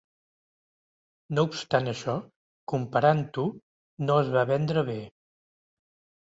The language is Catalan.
No obstant això, comparant-ho, no es va vendre bé.